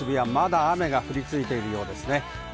まだ雨が降り続いているようですね。